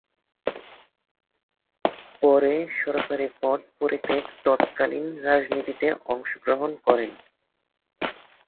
পরে সরকারি পদ পরিত্যাগ তৎকালীন রাজনীতিতে অংশগ্রহণ করেন।